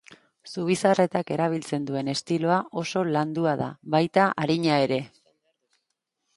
Zubizarretak erabiltzen duen estiloa oso landua da, baita arina ere.